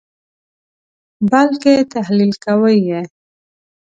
بلکې تحلیل کوئ یې.